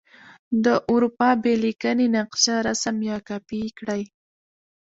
د اروپا بې لیکنې نقشه رسم یا کاپې کړئ.